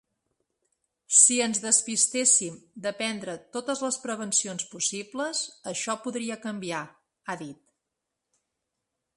Si ens despistéssim de prendre totes les prevencions possibles, això podria canviar, ha dit.